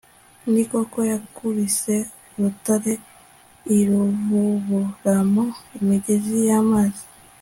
ni koko, yakubise urutare, iruvuburamo imigezi y'amazi